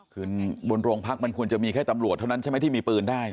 คือบนโรงพักมันควรจะมีแค่ตำรวจเท่านั้นใช่ไหมที่มีปืนได้